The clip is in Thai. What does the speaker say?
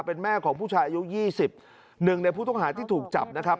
เป็นแม่ของผู้ชายอายุยี่สิบหนึ่งในผู้ต้องหาที่ถูกจับนะครับ